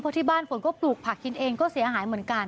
เพราะที่บ้านฝนก็ปลูกผักกินเองก็เสียหายเหมือนกัน